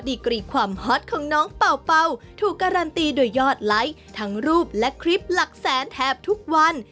กรีความฮอตของน้องเป่าเป่าถูกการันตีโดยยอดไลค์ทั้งรูปและคลิปหลักแสนแทบทุกวัน